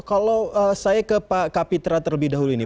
kalau saya ke pak kapitra terlebih dahulu ini